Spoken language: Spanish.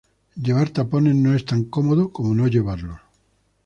Llevar tapones no es tan cómodo como no llevarlos.